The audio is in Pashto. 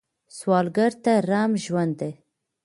سوالګر ته رحم ژوند دی